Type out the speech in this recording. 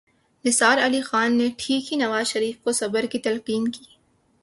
نثار علی خان نے ٹھیک ہی نواز شریف کو صبر کی تلقین کی۔